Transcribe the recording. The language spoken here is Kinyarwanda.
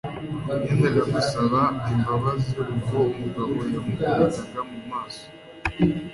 yendaga gusaba imbabazi ubwo umugabo yamukubitaga mu maso